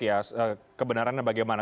ya kebenarannya bagaimana